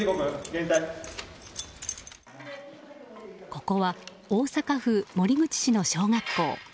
ここは大阪府守口市の小学校。